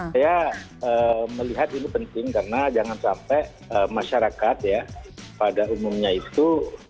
saya melihat ini penting karena jangan sampai masyarakat ya pada umumnya itu